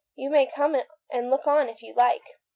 You may come and look on if you like."